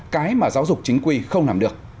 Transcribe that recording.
cái mà giáo dục chính quy không làm được